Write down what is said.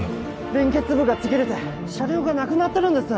連結部がちぎれて車両がなくなってるんです